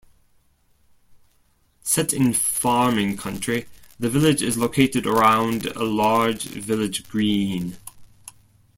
Set in farming country, the village is located around a large village green.